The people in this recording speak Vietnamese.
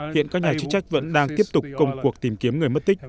hiện các nhà chức trách vẫn đang tiếp tục công cuộc tìm kiếm người mất tích